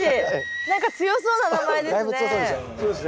何か強そうな名前ですね。